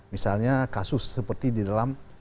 misalnya kasus seperti di dalam